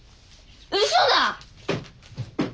うそだ！